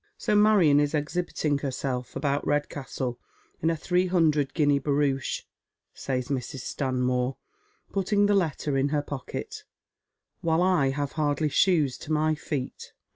" So Marion is exhibiting herself about Redcastle in a three hundred guinea barouche," says Mrs. Stanmore, putting the letter in her pocket, " while I have hardly shoes to my feet.